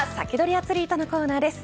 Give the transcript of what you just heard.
アツリートのコーナーです。